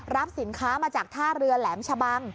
รับสินค้ามาจากท่าเรือแหลมชะบัง